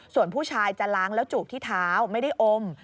ส่วนผู้ชายจะล้างแล้วจูบที่เท้าไม่ได้อม